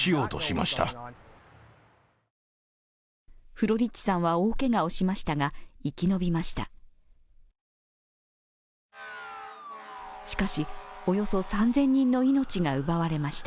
フロリッチさんは、大けがをしましたが生き延びました。